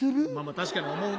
確かに思うな。